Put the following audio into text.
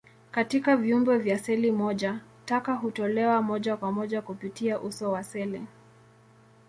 Katika viumbe vya seli moja, taka hutolewa moja kwa moja kupitia uso wa seli.